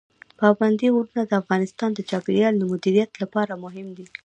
پابندي غرونه د افغانستان د چاپیریال مدیریت لپاره مهم دي.